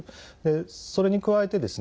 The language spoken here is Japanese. それに加えてですね